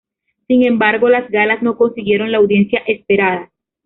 Sin embargo, las galas no consiguieron la audiencia esperada.